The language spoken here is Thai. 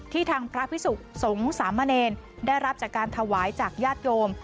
ทางพระพิสุขสงสามเณรได้รับจากการถวายจากญาติโยม